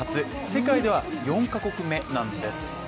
世界では４カ国目なんです。